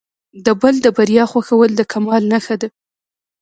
د بل د بریا خوښول د کمال نښه ده.